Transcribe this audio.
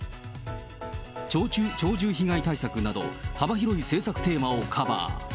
鳥獣被害対策など、幅広い政策テーマをカバー。